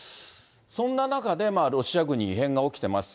そんな中で、ロシア軍に異変が起きてます。